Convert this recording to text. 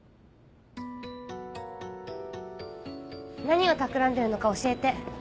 何をたくらんでるのか教えて